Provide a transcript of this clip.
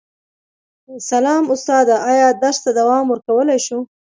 سلام استاده ایا درس ته دوام ورکولی شو